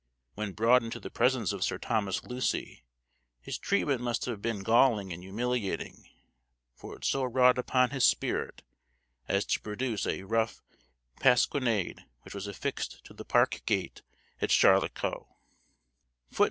When brought into the presence of Sir Thomas Lucy his treatment must have been galling and humiliating; for it so wrought upon his spirit as to produce a rough pasquinade which was affixed to the park gate at Charlecot.